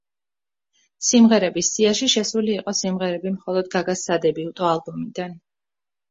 სიმღერების სიაში შესული იყო სიმღერები მხოლოდ გაგას სადებიუტო ალბომიდან.